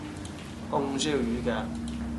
紅燒乳鴿